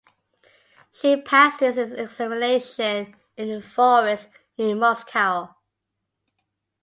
She passed this examination in the forest near Moscow.